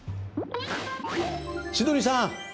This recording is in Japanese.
千鳥さん